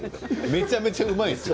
めちゃめちゃ、うまいんですよ。